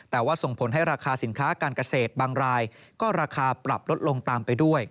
แต่ว่าส่งผลให้ราคาสินค้าการเกษตรบางรายก็ราคาปรับลดลงตามไปด้วย